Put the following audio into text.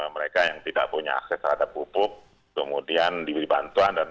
mereka yang tidak punya akses terhadap pupuk kemudian diberi bantuan